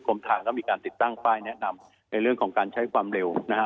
ทางก็มีการติดตั้งป้ายแนะนำในเรื่องของการใช้ความเร็วนะฮะ